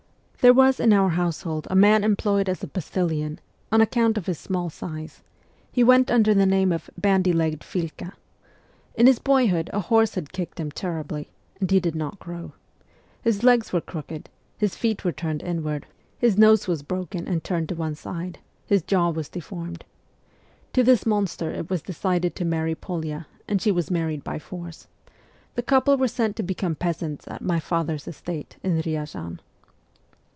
There was in our household a man employed as a postilion, on account of his small size ; he went under the name of ' bandy legged Filka.' In his boy hood a horse had kicked him terribly, and he did not grow. His legs were crooked, his feet were turned VOL. I. F 66 MEMOIRS OF A REVOLUTIONIST inward, his nose was broken and turned to one side, his jaw was deformed. To this monster it was decided to marry P61ya and she was married by force. The couple were sent to become peasants at my father's estate in Ryazan.